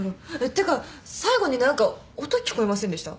てか最後に何か音聞こえませんでした？